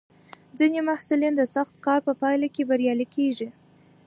ځینې محصلین د سخت کار په پایله کې بریالي کېږي.